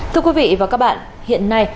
thưa quý vị và các bạn hiện nay